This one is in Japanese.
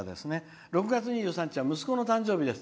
「６月２３日は息子の誕生日です」。